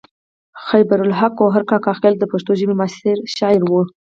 خیبر الحق ګوهر کاکا خیل د پښتو ژبې معاصر شاعر دی.